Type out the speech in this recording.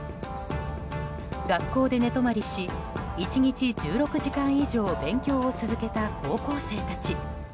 学校で寝泊まりし１日１６時間以上勉強を続けた高校生たち。